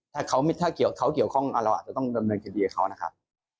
ถ้าเขาเกี่ยวข้องเราอาจจะต้องดำเนินเกี่ยวดีให้เขานะครับ